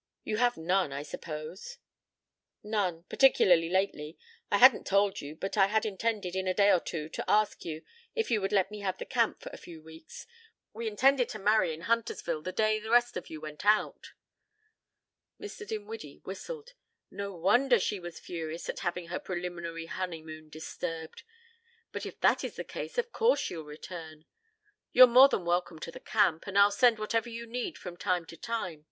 . You have none, I suppose?" "None. Particularly lately. I hadn't told you, but I had intended, in a day or two, to ask you if you would let me have the camp for a few weeks. We intended to marry in Huntersville the day the rest of you went out." Mr. Dinwiddie whistled. "No wonder she was furious at having her preliminary honeymoon disturbed. But if that is the case of course she'll return. You're more than welcome to the camp, and I'll send whatever you need from time to time.